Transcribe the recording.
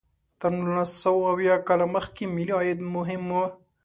تر نولس سوه اویا کال مخکې ملي عاید مهم و.